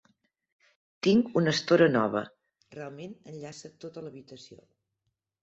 Tinc una estora nova, realment enllaça tota l'habitació.